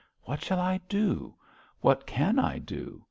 What shall I do? What can I do?